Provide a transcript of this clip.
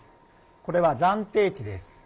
これは暫定値です。